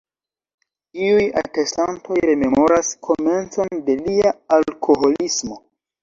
Iuj atestantoj rememoras komencon de lia alkoholismo.